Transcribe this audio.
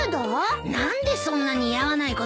何でそんな似合わないことしたの？